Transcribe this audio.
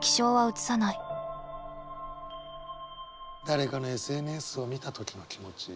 誰かのＳＮＳを見た時の気持ち。